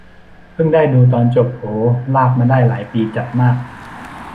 เพิ่งได้ดูตอนจบ โห ลากมาได้หลายปีจัดมาก